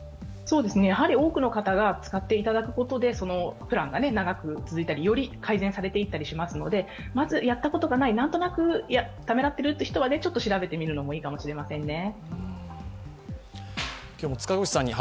多くの方が使っていただくことでそのプランが長く続いたりより改善されていったりしますのでまず、やったことがない、何となくためらっている人はちょっと調べてみるのもいいかもしれませんね。